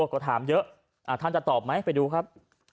ก็ถามเยอะท่านจะตอบไหมไปดูครับ